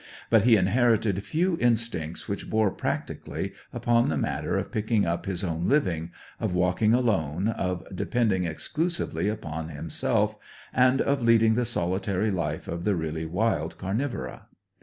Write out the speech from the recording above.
But he inherited few instincts which bore practically upon the matter of picking up his own living, of walking alone, of depending exclusively upon himself, and of leading the solitary life of the really wild carnivora.